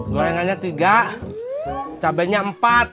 gorengannya tiga cabainya empat